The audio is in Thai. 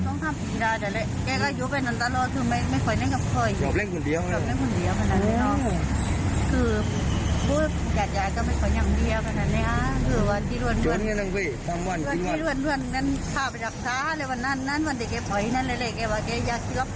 ซึ่งเลยเลยเขาก็ขี้รถโอ้งมารถเผืองแล้วมาทำบ้านเลย